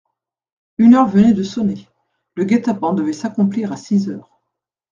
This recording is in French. Une heure venait de sonner, le guet-apens devait s'accomplir à six heures.